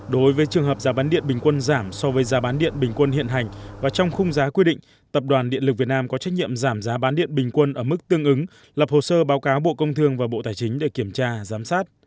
đối với trường hợp giá bán điện bình quân giảm so với giá bán điện bình quân hiện hành và trong khung giá quy định tập đoàn điện lực việt nam có trách nhiệm giảm giá bán điện bình quân ở mức tương ứng lập hồ sơ báo cáo bộ công thương và bộ tài chính để kiểm tra giám sát